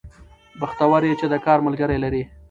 بختور يې چې د کار ملګري لرې